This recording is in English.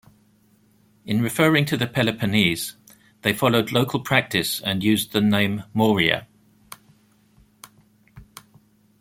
In referring to the Peloponnese, they followed local practice and used the name "Morea".